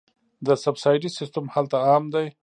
د سبسایډي سیستم هلته عام دی.